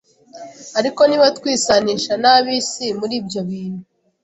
Ariko niba twisanisha n’ab’isi muri ibyo bintu,